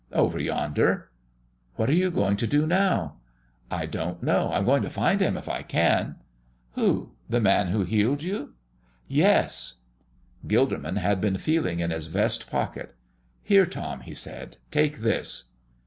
"Over yonder." "What are you going to do now?" "I don't know. I'm going to find Him if I can." "Who? The Man who healed you?" "Yes." Gilderman had been feeling in his vest pocket. "Here, Tom," he said, "take this."